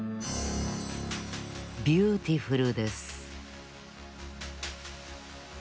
ビューティフルです